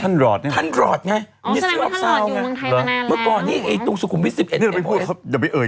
ท่านหลอดจริงไหมอ๋อนอกความว่าท่านหลอดอยู่เมืองไทยตัวนั้นแล้ว